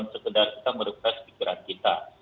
sekedar kita merepres pikiran kita